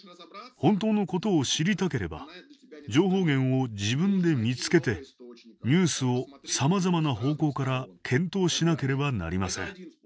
本当のことを知りたければ情報源を自分で見つけてニュースをさまざまな方向から検討しなければなりません。